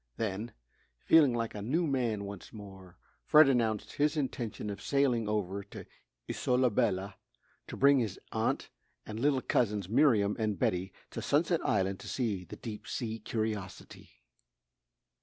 Then, feeling like a new man once more, Fred announced his intention of sailing over to Isola Bella to bring his aunt and little cousins, Miriam and Betty, to Sunset Island to see the deep sea curiosity.